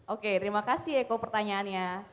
oke terima kasih eko pertanyaannya